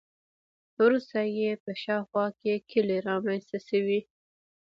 وروسته یې په شاوخوا کې کلي رامنځته شوي.